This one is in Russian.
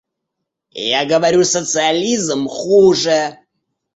Я говорю социализм — хуже.